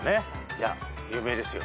いや有名ですよ。